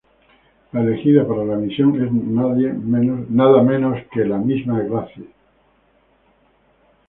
La elegida para la misión es nadie menos que la misma Gracie.